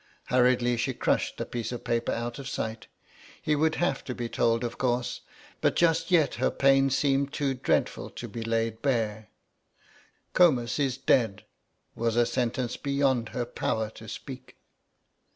Hurriedly she crushed the piece of paper out of sight; he would have to be told, of course, but just yet her pain seemed too dreadful to be laid bare. "Comus is dead" was a sentence beyond her power to speak.